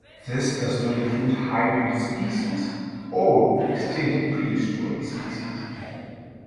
This does not include hybrid species or extinct prehistoric species.